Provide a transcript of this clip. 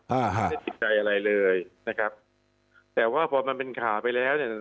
ไม่ได้ติดใจอะไรเลยนะครับแต่ว่าพอมันเป็นข่าวไปแล้วเนี่ย